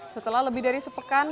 setelah lebih dari sepekan